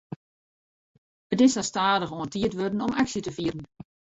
It is sa stadichoan tiid wurden om aksje te fieren.